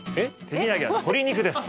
手土産は鶏肉です。